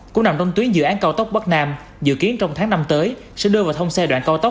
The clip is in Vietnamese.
cũng nằm trong tuyến dự án cao tốc bắc nam dự kiến trong tháng năm tới sẽ đưa vào thông xe đoạn cao tốc